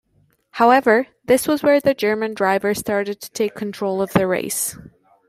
However, this was where the German driver started to take control of the race.